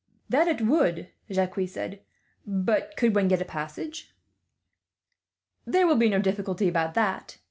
"That it would," Jacques said; "but could one get a passage?" "There will be no difficulty about that.